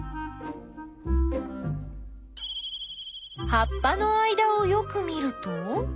はっぱの間をよく見ると。